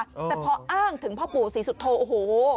แต่พออ้างถึงพ่อปู่ศรีสุโธโอ้โห